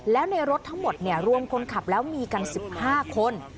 แล้วในรถทั้งหมดเนี่ยรวมคนขับแล้วมีกันสิบห้าคน